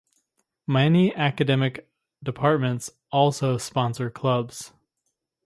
Many academic departments also sponsor clubs.